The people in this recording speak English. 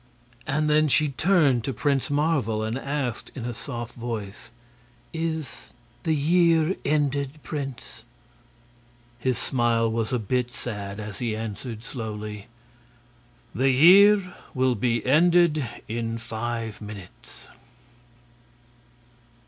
And then she turned to Prince Marvel and asked in a soft voice: "Is the year ended, Prince?" His smile was a bit sad as he answered, slowly: "The year will be ended in five minutes!" 26.